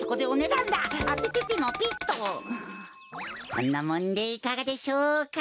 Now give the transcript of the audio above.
こんなもんでいかがでしょうか？